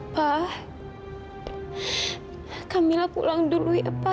pa kamila pulang dulu ya pa